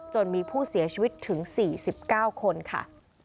มีผู้เสียชีวิตถึง๔๙คนค่ะ